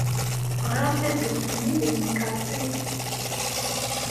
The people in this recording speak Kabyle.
Ɣrant adlis-nni deg temkarḍit.